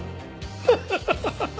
ハハハハッ。